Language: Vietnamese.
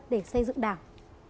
để xây dựng đảng